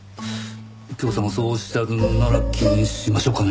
右京さんがそうおっしゃるのなら気にしましょうかね。